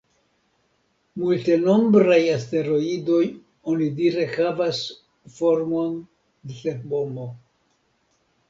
Multenombraj asteroidoj onidire havas formon de terpomo.